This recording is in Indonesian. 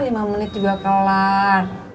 lima menit juga kelar